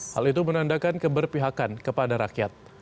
hal itu menandakan keberpihakan kepada rakyat